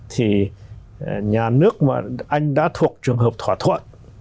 thì nhà nước mà anh đã thuộc trường hợp thỏa thuận